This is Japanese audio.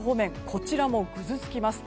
こちらは、ぐずつきます。